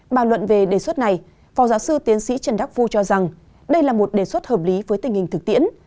bàn luận về đề xuất này phó giáo sư tiến sĩ trần đắc phu cho rằng đây là một đề xuất hợp lý với tình hình thực tiễn